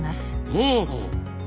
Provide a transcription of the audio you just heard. ほうほう。